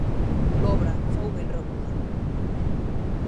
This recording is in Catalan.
L'obra fou ben rebuda.